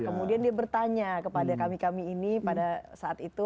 kemudian dia bertanya kepada kami kami ini pada saat itu